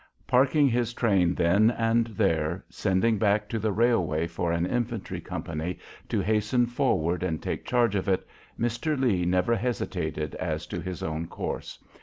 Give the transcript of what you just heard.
Parking his train then and there, sending back to the railway for an infantry company to hasten forward and take charge of it, Mr. Lee never hesitated as to his own course.